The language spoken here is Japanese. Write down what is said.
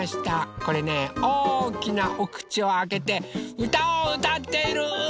これねおおきなおくちをあけてうたをうたっているうーたんです。